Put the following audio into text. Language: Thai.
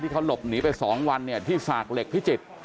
เขาหลบหนีไป๒วันที่สากเหล็กพิจิตร